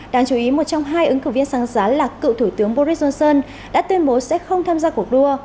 đáng chú ý một trong hai ứng cử viên sáng giá là cựu thủ tướng boris johnson đã tuyên bố sẽ không tham gia cuộc đua